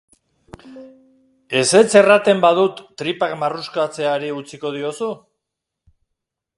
Ezetz erraten badut tripak marruskatzeari utziko diozu?